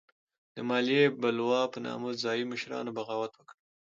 د مالیې بلوا په نامه ځايي مشرانو بغاوت وکړ.